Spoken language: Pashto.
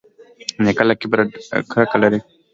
نیکه له کبره کرکه لري.